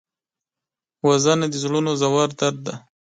وژنه د زړونو ژور درد دی